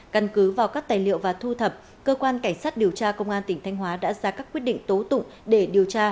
căn cứ vào các tài liệu và thu thập cơ quan cảnh sát điều tra công an tỉnh thanh hóa đã ra các quyết định tố tụng để điều tra